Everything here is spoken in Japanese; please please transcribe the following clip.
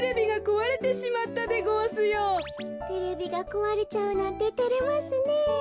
テレビがこわれちゃうなんててれますね。